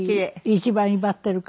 一番威張ってる感じで。